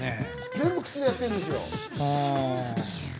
全部口でやってるんですよ。